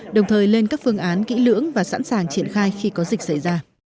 đồng thời lên các phương án kỹ lưỡng và sẵn sàng triển khai khi có dịch xảy ra